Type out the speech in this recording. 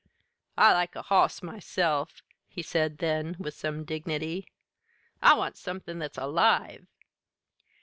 "I like a hoss, myself," he said then, with some dignity. "I want somethin' that's alive!"